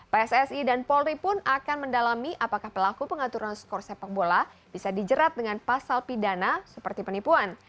pssi dan polri pun akan mendalami apakah pelaku pengaturan skor sepak bola bisa dijerat dengan pasal pidana seperti penipuan